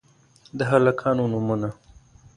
د هلکانو نومونه: